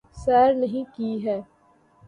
سیر نہیں کی ہے